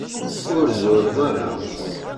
Ur zureḍ ara.